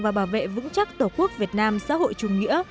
và bảo vệ vững chắc tổ quốc việt nam xã hội chủ nghĩa